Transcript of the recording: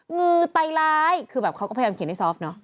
มือไตร้ายคือแบบเขาก็พยายามเขียนให้ซอฟต์เนาะ